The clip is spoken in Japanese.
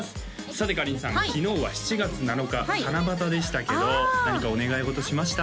さてかりんさんはい昨日は７月７日七夕でしたけど何かお願い事しました？